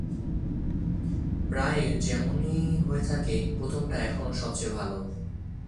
প্রায়ই যেমন হয়ে থাকে, প্রথমটা এখনও সবচেয়ে ভাল।